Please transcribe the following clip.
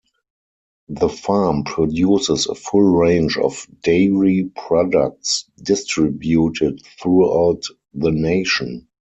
The farm produces a full range of dairy products distributed throughout the nation.